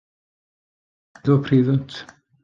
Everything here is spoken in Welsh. Mae'r tŵr yn eiddo preifat.